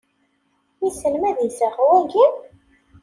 Wissen ma d iseɣ, wagi?